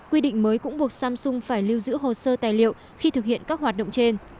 quy định mới cũng buộc samsung phải lưu giữ hồ sơ tài liệu khi thực hiện các hoạt động trên